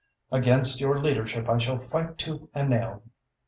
Against your leadership I shall fight tooth and nail.